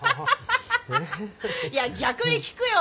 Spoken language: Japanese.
いや逆に聞くよ。